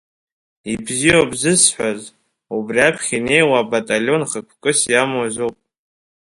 Ибзиоуп зысҳәаз, убри аԥхьа инеиуа абаталион хықәкыс иамоу азоуп.